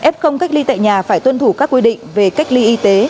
f cách ly tại nhà phải tuân thủ các quy định về cách ly y tế